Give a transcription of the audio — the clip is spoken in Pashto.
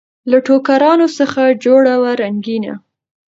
له ټوکرانو څخه جوړه وه رنګینه